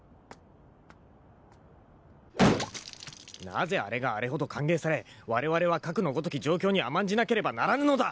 なぜあれがあれほど歓迎されわれわれはかくのごとき状況に甘んじなければならぬのだ！